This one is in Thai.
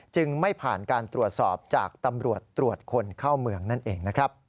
ไม่ผ่านการตรวจสอบจากตำรวจตรวจคนเข้าเมืองนั่นเองนะครับ